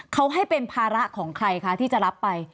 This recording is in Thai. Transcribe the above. เขาให้เป็นภาระของใครคะที่จะรับไป